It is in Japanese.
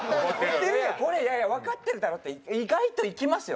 これいやいや「わかってるだろ」って意外といきますよ